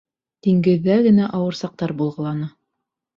Диңгеҙҙә генә ауыр саҡтар булғыланы.